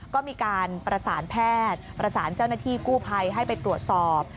ก็มีการประสานแพทย์ประสานเจ้าหน้าที่กู้ภัยให้ไปตรวจสอบ